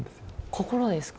心ですか？